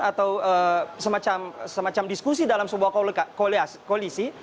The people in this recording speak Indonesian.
atau semacam diskusi dalam sebuah koalisi